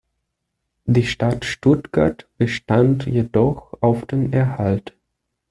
Die Stadt Stuttgart bestand jedoch auf dem Erhalt.